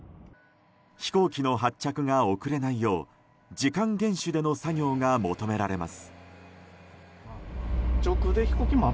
飛行機の発着が遅れないよう時間厳守での作業が求められます。